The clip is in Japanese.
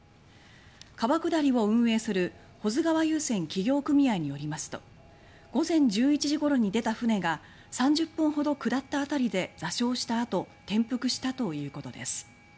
川下りを運営する保津川遊船企業組合によりますと午前１１時ごろに出た舟が３０分ほど下ったあたりで座礁した後転覆したということです。